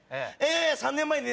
３年前にね